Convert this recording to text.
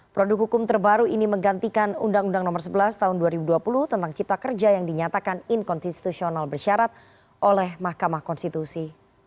produk hukum terbaru ini menggantikan undang undang nomor sebelas tahun dua ribu dua puluh tentang cipta kerja yang dinyatakan inkonstitusional bersyarat oleh mahkamah konstitusi